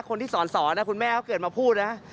คนที่สอนนะคุณแม่เขาเกิดมาพูดนะ